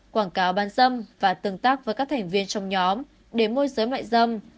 quảng cáo bán dâm và tương tác với các thành viên trong nhóm để môi giới mại dâm